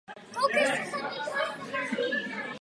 Byla blízká přítelkyně Thomase Jeffersona.